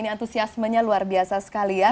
ini antusiasmenya luar biasa sekali ya